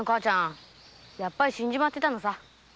やっぱり死んじまっていたのさ。